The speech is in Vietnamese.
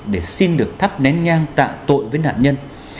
để xin được thắp nén nhang tạ tội với nạn nhân